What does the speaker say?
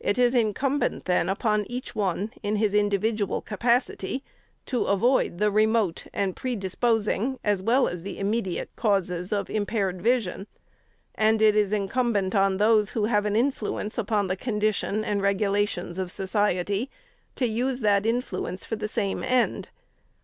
It is incumbent, then, upon each one, in his individual capacity, to avoid the remote and predisposing, as well as the immedi ate causes of impaired vision ; and it is incumbent on those, who have an influence upon the condition and regulations of society, to use that influence for the same end.